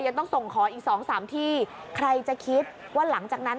ยังต้องส่งขออีกสองสามที่ใครจะคิดว่าหลังจากนั้น